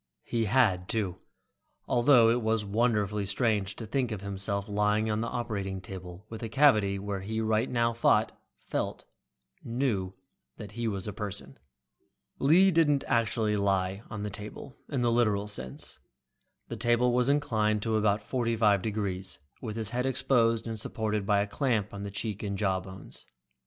He had, too, although it was wonderfully strange to think of himself lying on the operating table with a cavity where he right now thought, felt, knew that he was a person. Lee didn't actually lie on the table in the literal sense. The table was inclined to about forty five degrees, with his head exposed and supported by a clamp on the cheek and jaw bones.